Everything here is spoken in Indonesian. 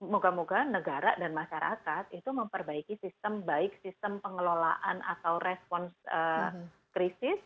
moga moga negara dan masyarakat itu memperbaiki sistem baik sistem pengelolaan atau respons krisis